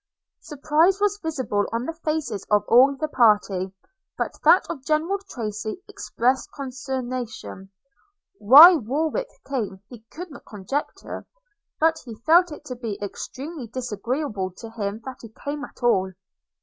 Surprise was visible on the faces of all the party, but that of General Tracy expressed consternation Why Warwick came he could not conjecture; but he felt it to be extremely disagreeable to him that he came at all.